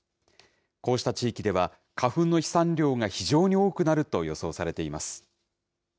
こうした地域では、花粉の飛散量が非常に多くなると予想されています。